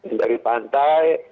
ini dari pantai